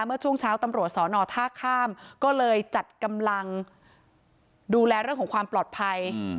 เมื่อช่วงเช้าตำรวจสอนอท่าข้ามก็เลยจัดกำลังดูแลเรื่องของความปลอดภัย